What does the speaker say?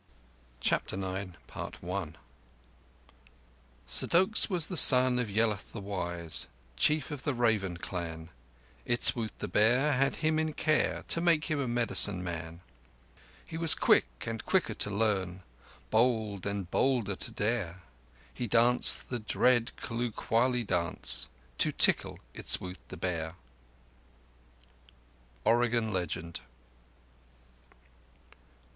CHAPTER IX S' doaks was son of Yelth the wise— Chief of the Raven clan. Itswoot the Bear had him in care To make him a medicine man. He was quick and quicker to learn— Bold and bolder to dare: He danced the dread Kloo Kwallie Dance To tickle Itswoot the Bear! _Oregon Legend.